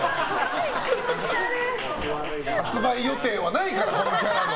気持ち悪い！発売予定はないからこのキャラの。